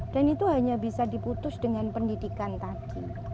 dan itu hanya bisa diputus dengan pendidikan tadi